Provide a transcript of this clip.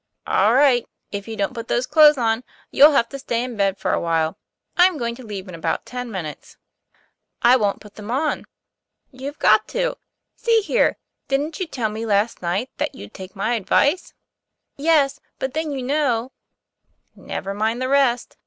"All right; if you don't put those clothes on, you'll have to stay in bed for a while. I'm going to leave in about ten minutes." '* I won't put them on." 'You've got to. See here, didn't you tell me last night that you'd take my advice ?" TOM PLA YFA1R. 147 "Yes; but then you know "' Never mind the rest.